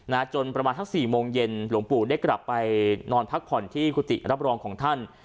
จนประมาณสักสี่โมงเย็นหลวงปู่ได้กลับไปนอนพักผ่อนที่กุฏิรับรองของท่าน